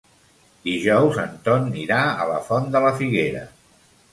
Dijous en Ton irà a la Font de la Figuera.